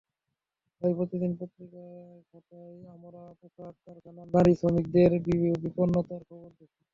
প্রায় প্রতিদিন পত্রিকার পাতায় আমরা পোশাক কারখানার নারী শ্রমিকদের বিপন্নতার খবর দেখি।